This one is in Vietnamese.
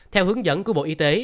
theo hướng dẫn của bộ y tế